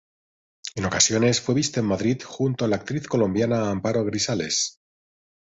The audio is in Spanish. En ocasiones fue visto en Madrid junto a la actriz colombiana Amparo Grisales.